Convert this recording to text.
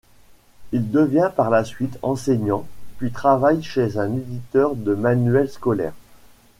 Il devient par la suite enseignant, puis travaille chez un éditeur de manuels scolaires.